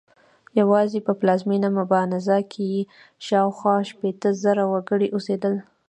یوازې په پلازمېنه مبانزا کې یې شاوخوا شپېته زره وګړي اوسېدل.